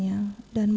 saya tidak mau